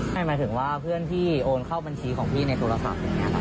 หมายถึงว่าเพื่อนพี่โอนเข้าบัญชีของพี่ในโทรศัพท์